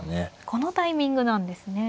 このタイミングなんですね。